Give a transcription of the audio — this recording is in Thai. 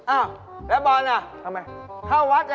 อ้าแล้วบอลน่ะ